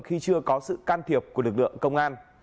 khi chưa có sự can thiệp của lực lượng công an